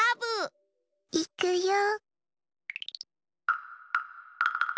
いくよ。